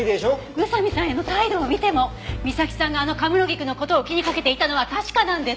宇佐見さんへの態度を見てもみさきさんがあの神室菊の事を気にかけていたのは確かなんです！